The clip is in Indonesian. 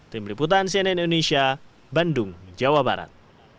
tim liputan cnn indonesia bandung jawa barat